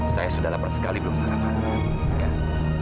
saya sudah lapar sekali belum sarapan